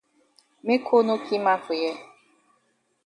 Make cold no ki man for here.